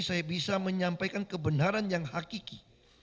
saya bisa menyampaikan kebenaran yang hakiki